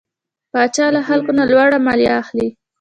پاچا له خلکو نه لوړه ماليه اخلي .